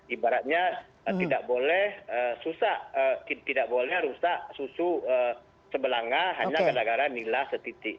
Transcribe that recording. ibaratnya tidak boleh susah susu sebelangah hanya karena nilai setitik